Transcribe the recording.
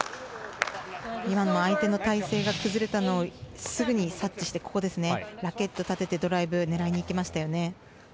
今も相手の体勢が崩れたのをすぐに察知してラケット立ててドライブを狙いにいきましたね。